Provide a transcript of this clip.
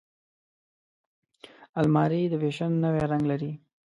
الماري د فیشن نوی رنګ لري